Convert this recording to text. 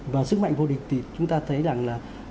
và sức mạnh vô địch thì chúng ta thấy rằng là